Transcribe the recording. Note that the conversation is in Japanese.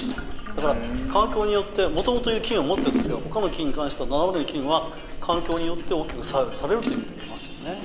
だから、環境によって元々、菌を持ってるんですがほかの菌に関しては７割の菌は環境によって大きく左右されるということがいえますよね。